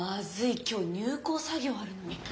今日入稿作業あるのに！